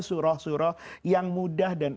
suruh suruh yang mudah dan